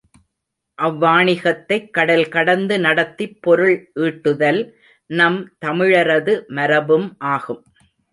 அவ்வாணிகத்தைக் கடல் கடந்து நடத்திப் பொருள் ஈட்டுதல் நம் தமிழரது மரபும் ஆகும்.